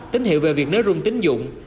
tín hiệu về việc nới rung tín dụng